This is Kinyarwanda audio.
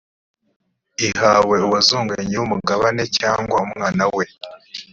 ihawe uwazunguye nyir umugabane cyangwa umwana we